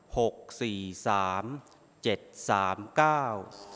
หกสี่สามเจ็ดสามเก้า